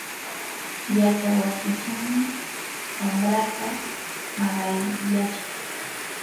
yachaywasichawmi wamraata maqayashqa.